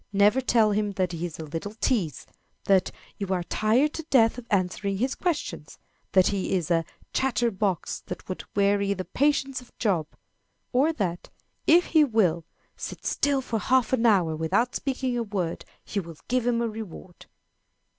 Never tell him that he is "a little tease" that "you are tired to death of answering his questions" that he is "a chatter box that would weary the patience of Job;" or that, if he will "sit still for half an hour, without speaking a word, you will give him a reward."